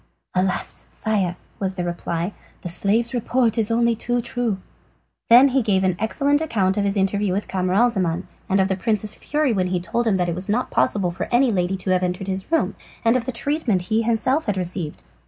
"Alas, sire," was the reply, "the slave's report is only too true!" He then gave an exact account of his interview with Camaralzaman and of the prince's fury when told that it was not possible for any lady to have entered his room, and of the treatment he himself had received.